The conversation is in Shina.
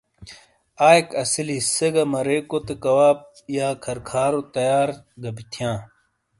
۔آئیک اسیلی سے گہ مرے کوتے کواب/ کھر کھارو تیار گہ تھیاں۔